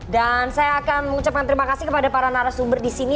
dan saya akan mengucapkan terima kasih kepada para narasumber di sini